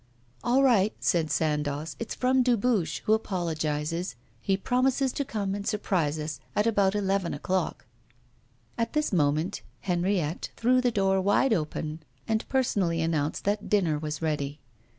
'All right,' said Sandoz, 'it's from Dubuche, who apologises; he promises to come and surprise us at about eleven o'clock.' At this moment Henriette threw the door wide open, and personally announced that dinner was ready.